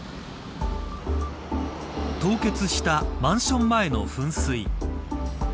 凍結したマンション前の噴水。